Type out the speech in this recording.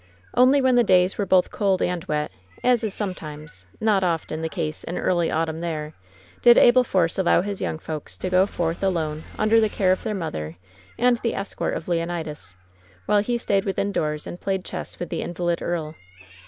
Only when the days were both cold and wet, as is sometimes, not often, the case in early autumn there, did Abel Force allow his young folks to go forth alone under the care of their mother and the escort of Leon 6 WHEN SHADOWS DIE idas, while he stayed within doors and played chess with the invalid earl.